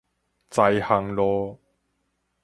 知行路